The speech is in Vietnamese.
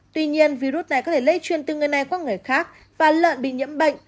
tuy nhiên virus này có thể lây truyền từ người này qua người khác và lợn bị nhiễm bệnh